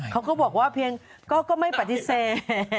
เขาก็บอกว่าเพียงก็ไม่ปฏิเสธ